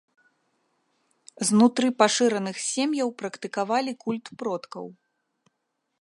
Знутры пашыраных сем'яў практыкавалі культ продкаў.